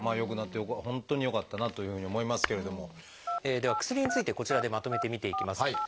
では薬についてこちらでまとめて見ていきます。